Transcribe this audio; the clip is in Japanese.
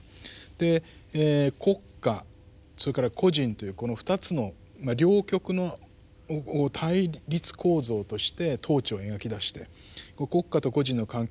で国家それから個人というこの２つの両極を対立構造として統治を描き出して国家と個人の関係をどういうふうに組み立てるのかって